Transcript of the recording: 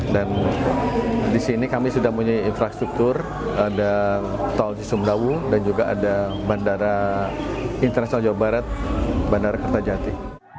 dan di sini kami sudah punya infrastruktur ada tol di sumdawung dan juga ada bandara internasional jawa barat bandara kertajati